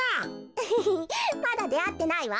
アハハまだであってないわ。